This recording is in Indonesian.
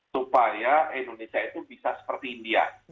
supaya indonesia itu bisa seperti india